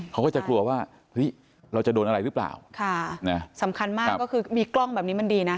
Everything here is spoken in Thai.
เขาก็จะกลัวว่าเฮ้ยเราจะโดนอะไรหรือเปล่าค่ะนะสำคัญมากก็คือมีกล้องแบบนี้มันดีนะ